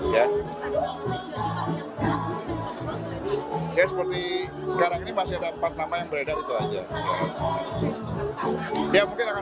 ya seperti sekarang ini masih ada empat nama yang beredar itu aja ya mungkin akan